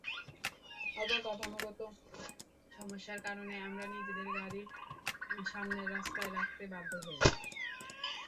অবকাঠামোগত সমস্যার কারণে আমরা নিজেদের গাড়ি সামনের রাস্তায় রাখতে বাধ্য হই।